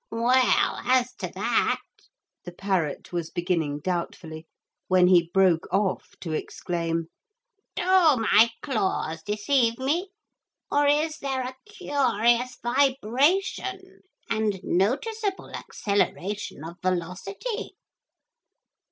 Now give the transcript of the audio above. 'Well, as to that ' the parrot was beginning doubtfully, when he broke off to exclaim: 'Do my claws deceive me or is there a curious vibration, and noticeable acceleration of velocity?'